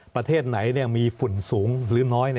ประเทศไหนมีฝุ่นสูงหรือน้อย